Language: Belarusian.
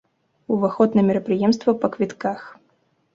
Уваход на мерапрыемствах па квітках.